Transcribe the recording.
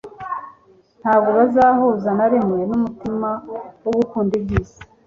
ntabwo bazahuza na rimwe n'umutima wo gukunda iby'isi.